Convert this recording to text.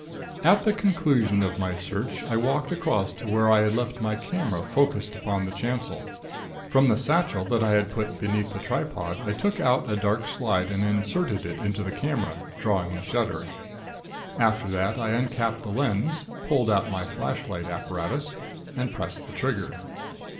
"At the conclusion of my search I walked across to where I had left my camera focused upon the chancel. From the satchel that I had put beneath the tripod I took out a dark slide and inserted it in the camera, drawing the shutter. After that I uncapped the lens, pulled out my flashlight apparatus, and pressed the trigger.